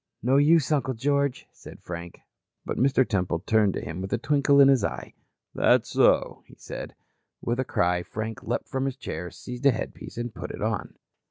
"No use, Uncle George," said Frank, but Mr. Temple turned to him with a twinkle in his eye. "That so?" he said. With a cry, Frank leaped from his chair, seized a headpiece and put it on.